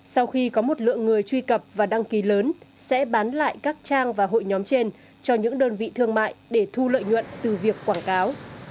sau khi có một lượng người truy cập và đăng ký lớn sẽ bán lại các trang và hội nhóm trên cho những đơn vị thương mại để thu lợi nhuận từ việc quảng cáo